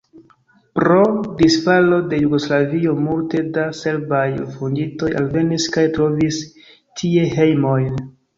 Pro disfalo de Jugoslavio multe da serbaj rifuĝintoj alvenis kaj trovis tie hejmojn.